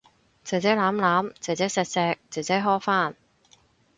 姐姐攬攬，姐姐錫錫，姐姐呵返